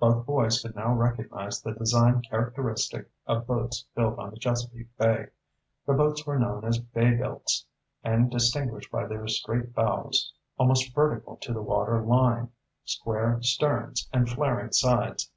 Both boys could now recognize the design characteristic of boats built on the Chesapeake Bay. The boats were known as "bay builts," and distinguished by their straight bows almost vertical to the water line square sterns, and flaring sides.